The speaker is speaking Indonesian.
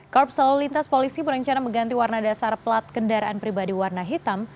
korps lalu lintas polisi berencana mengganti warna dasar plat kendaraan pribadi warna hitam